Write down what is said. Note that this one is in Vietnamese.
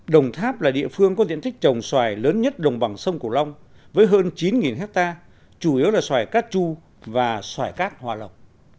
đồng tháp là địa phương có diện tích trồng xoài lớn nhất đồng bằng sông cổ long với hơn chín hectare chủ yếu là xoài cát chu và xoài cát hòa lộc